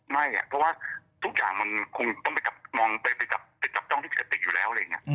ไม่เพราะว่าทุกอย่างมันคงต้องมองไปจับต้องที่พิกัดติดอยู่แล้ว